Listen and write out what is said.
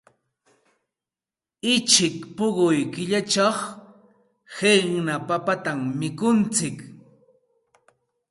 Uchik puquy killachaq qiqna papatam mikuntsik.